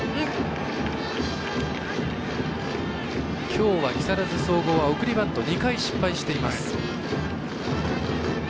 きょうは木更津総合送りバント２回失敗しています。